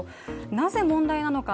なぜ問題なのか。